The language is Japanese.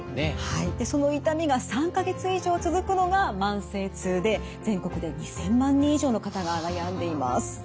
その痛みが３か月以上続くのが慢性痛で全国で２，０００万人以上の方が悩んでいます。